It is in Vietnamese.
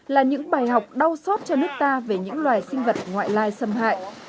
là những bài học đau sót cho nước ta về những loài sinh vật ngoại lai xâm hại